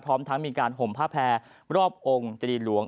พร้อมทั้งมีการห่มผ้าแพร่รอบองค์เจดีหลวง